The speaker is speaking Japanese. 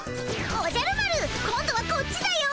おじゃる丸今度はこっちだよ。